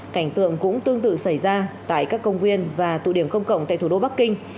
cảnh tượng cũng tương tự xảy ra tại các công viên và tụ điểm công cộng tại thủ đô bắc kinh